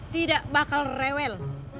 tidak bakal rewel